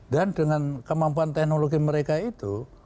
dan dengan kemampuan teknologi mereka itu